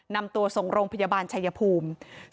นำตัวส่งโรงพยาบาลชายภูมิ